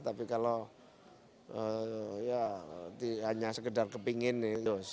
tapi kalau ya hanya sekedar kepingin ya just